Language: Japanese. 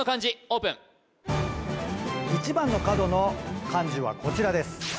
オープン１番の角の漢字はこちらです